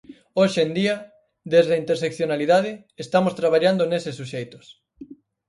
Hoxe en día, desde a interseccionalidade, estamos traballando neses suxeitos.